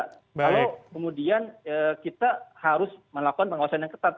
kalau kemudian kita harus melakukan pengawasan yang ketat